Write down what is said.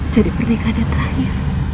jadi pernikahan yang terakhir